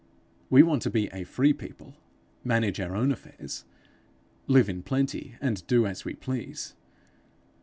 We want to be a free people, manage our own affairs, live in plenty, and do as we please.